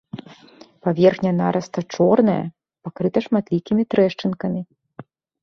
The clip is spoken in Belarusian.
Паверхня нараста чорная, пакрыта шматлікімі трэшчынкамі.